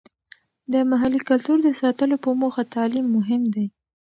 د محلي کلتور د ساتلو په موخه تعلیم مهم دی.